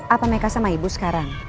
apa mereka sama ibu sekarang